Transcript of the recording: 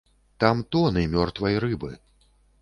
Там тоны мёртвай рыбы.